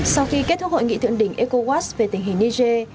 sau khi kết thúc hội nghị thượng đỉnh ecowas về tình hình niger